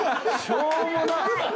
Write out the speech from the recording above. しょうもな。